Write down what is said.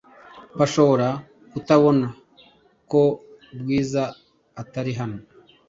Bashobora kutabona ko Bwiza atari hano .